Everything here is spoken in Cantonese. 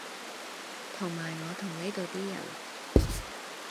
同埋我同呢度啲人